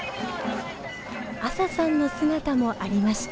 アサさんの姿もありました。